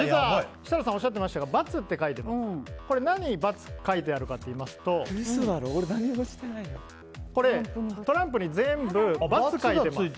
設楽さんがおっしゃってましたが×って書いてあってなぜ×が書いてあるかといいますとこれ、トランプに全部×がついています。